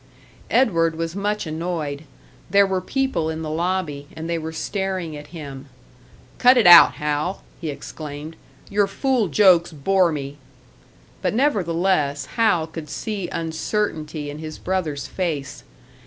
Edward was much annoyed. There were people in the lobby, and they were staring at him. "Cut it out, Hal!" he exclaimed. "Your fool jokes bore me!" But nevertheless, Hal could see uncertainty in his brother's face.